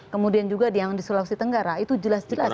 kemudian juga yang di sulawesi tenggara itu jelas jelas